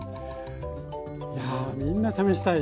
やあみんな試したい。